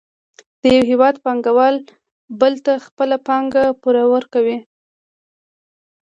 د یو هېواد پانګوال بل ته خپله پانګه پور ورکوي